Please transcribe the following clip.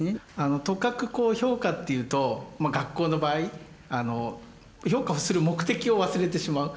とかくこう評価っていうとまあ学校の場合評価をする目的を忘れてしまう。